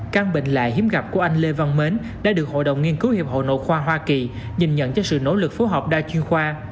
căn bệnh lại hiếm gặp của anh lê văn mến đã được hội đồng nghiên cứu hiệp hội nội khoa hoa kỳ nhìn nhận cho sự nỗ lực phối hợp đa chuyên khoa